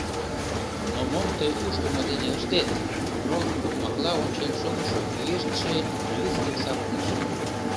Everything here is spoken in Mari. — Но мом ты ушдымо дене ыштет! — орол окмакла ончен шогышо кӱэштше рвезе дек савырныш.